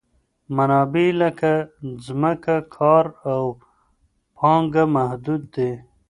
منابع لکه ځمکه، کار او پانګه محدود دي.